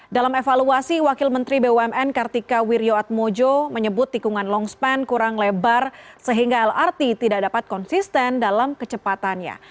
dalam evaluasi wakil menteri bumn kartika wirjoatmojo menyebut tikungan longspan kurang lebar sehingga lrt tidak dapat konsisten dalam kecepatannya